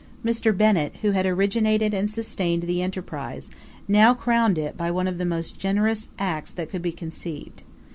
Mr. Bennett, who originated and sustained the enterprise, now crowned it by one of the most generous acts that could be conceived.